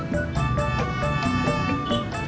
nijak gue udah beli koran